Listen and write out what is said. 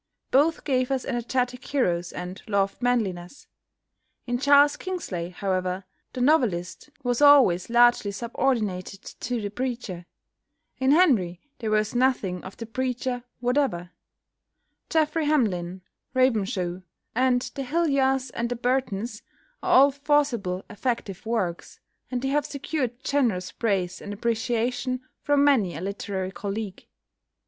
Both gave us energetic heroes, and loved manliness. In Charles Kingsley, however, the novelist was always largely subordinated to the preacher. In Henry there was nothing of the preacher whatever. "Geoffrey Hamlyn," "Ravenshoe" and "The Hillyars and The Burtons," are all forcible, effective works, and they have secured generous praise and appreciation from many a literary colleague.